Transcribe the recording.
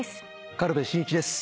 軽部真一です。